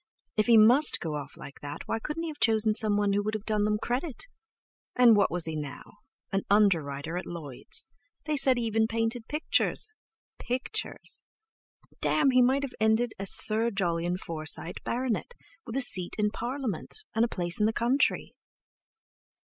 If he must go off like that why couldn't he have chosen someone who would have done them credit! And what was he now?—an underwriter at Lloyd's; they said he even painted pictures—pictures! Damme! he might have ended as Sir Jolyon Forsyte, Bart., with a seat in Parliament, and a place in the country!